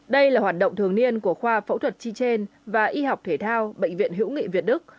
đây là hoạt động thường niên của khoa phẫu thuật chi trên và y học thể thao bệnh viện hữu nghị việt đức